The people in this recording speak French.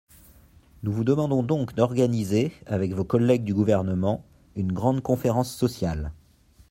Nous vous demandons donc d’organiser, avec vos collègues du Gouvernement, une grande conférence sociale.